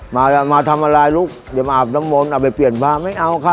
มามาทำอะไรลูกอย่ามาอาบน้ำมนต์เอาไปเปลี่ยนพระไม่เอาค่ะ